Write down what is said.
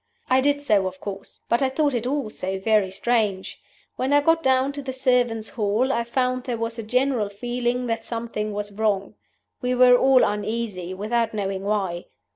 I did so, of course; but I thought this also very strange. When I got down to the servants' hall I found there was a general feeling that something was wrong. We were all uneasy without knowing why.